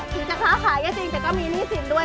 ถึงจะค้าขายก็จริงแต่ก็มีหนี้สินด้วย